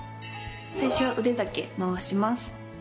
最初は腕だけ回します。